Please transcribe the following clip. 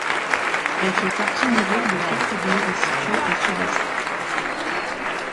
Elle fait partie du groupe de quatre églises situé au Sud-Est.